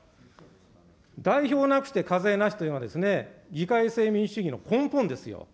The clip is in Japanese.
だいひょうなくして課税なしというのは、議会制民主主義の根本ですよ。